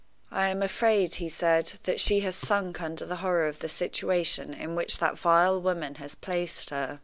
"I am afraid," he said, "that she has sunk under the horror of the situation in which that vile woman has placed her.